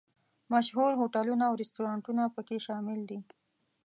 مشهور هوټلونه او رسټورانټونه په کې شامل دي.